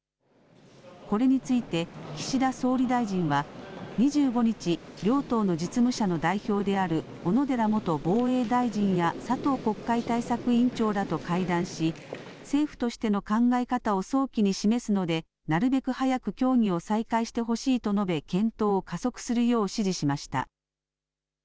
これについて岸田総理大臣は２５日、両党の実務者の代表である小野寺元防衛大臣や佐藤国会対策委員長らと会談し政府としての考え方を早期に示すのでなるべく早く協議を再開してほしいと述べ検討を加速するよう指示しました。